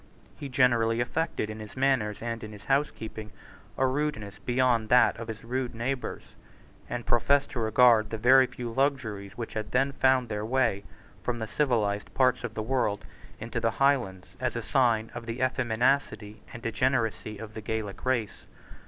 He generally affected in his manners and in his housekeeping a rudeness beyond that of his rude neighbours, and professed to regard the very few luxuries which had then found their way from the civilised parts of the world into the Highlands as signs of the effeminacy and degeneracy of the Gaelic race.